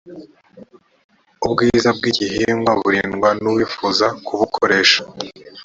ubwiza bw’ igihingwa burindwa n ‘uwifuza kubukoresha.